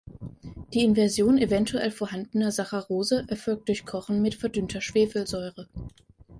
Die Inversion eventuell vorhandener Saccharose erfolgt durch Kochen mit verdünnter Schwefelsäure.